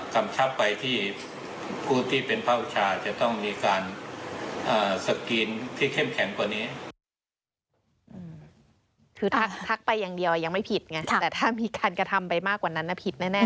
คือทักไปอย่างเดียวยังไม่ผิดไงแต่ถ้ามีการกระทำไปมากกว่านั้นนะผิดแน่